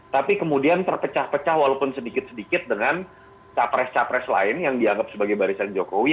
tapi kemudian terpecah pecah walaupun sedikit sedikit dengan capres capres lain yang dianggap sebagai barisan jokowi